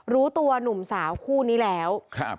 รู้ตัวหนุ่มสาวคู่นี้แล้วครับ